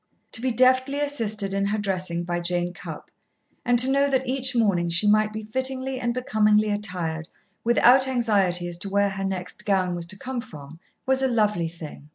To be deftly assisted in her dressing by Jane Cupp, and to know that each morning she might be fittingly and becomingly attired without anxiety as to where her next gown was to come from, was a lovely thing.